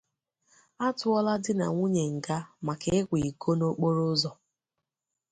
A Tụọla Di na Nwunye Nga Maka Ịkwà Iko n'Okporụzọ